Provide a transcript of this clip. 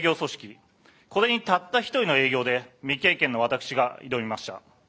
これにたった一人の営業で未経験の私が挑みました。